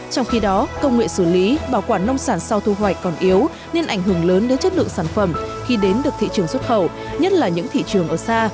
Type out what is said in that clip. trong khi đó công nghệ xử lý bảo quản nông sản sau thu hoạch còn yếu nên ảnh hưởng lớn đến chất lượng sản phẩm khi đến được thị trường xuất khẩu nhất là những thị trường ở xa